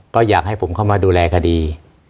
ก็อยากให้ผมเข้ามาดูแลคดี